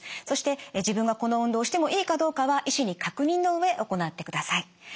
そして自分がこの運動をしてもいいかどうかは医師に確認の上行ってください。